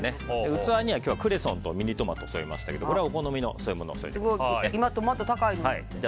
器には今日はクレソンとミニトマトを添えましたけどこれはお好みの添え物を添えてください。